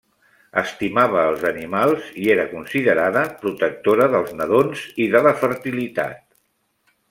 Estimava els animals i era considerada protectora dels nadons i de la fertilitat.